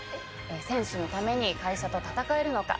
選手のために会社と戦えるのか。